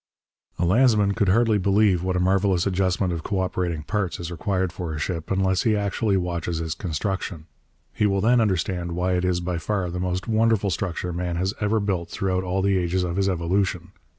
A landsman could hardly believe what a marvellous adjustment of co operating parts is required for a ship unless he actually watches its construction. He will then understand why it is by far the most wonderful structure man has ever built throughout all the ages of his evolution.